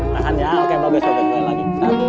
perlahan ya oke mau besokin gue lagi